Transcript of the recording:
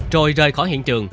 rồi rời khỏi hiện trường